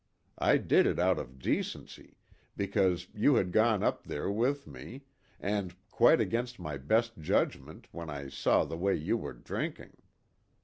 I did it out of decency, because you had gone up there with me, and quite against my best judgment when I saw the way you were drinking.